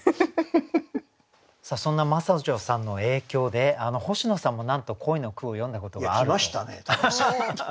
そんな真砂女さんの影響で星野さんもなんと恋の句を詠んだことがあると。来ましたね武井さん。